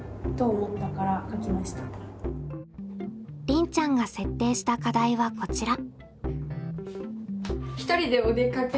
りんちゃんが設定した課題はこちら。